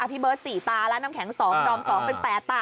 พี่เบิร์ต๔ตาและน้ำแข็ง๒ดอม๒เป็น๘ตา